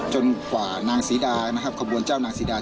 จนกว่านางสีดาขบวนเจ้านางสีดา